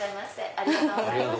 ありがとうございます。